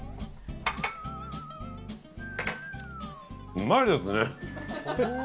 うまいですね。